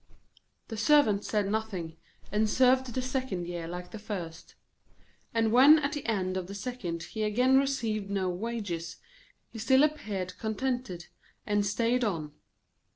The Servant said nothing, and served the second year like the first. And when at the end of the second he again received no wages, he still appeared contented, and stayed on.